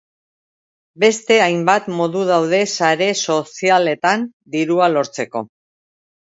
Beste hainbat modu daude sare sozialetan dirua lortzeko